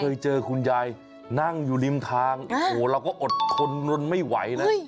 เคยเจอคุณยายนั่งอยู่ริมทางโอ้โหเราก็อดทนนไม่ไหวนะ